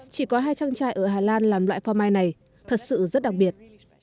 chỉ có hai trang trại ở hà lan làm loại pho mai này thật sự rất đặc biệt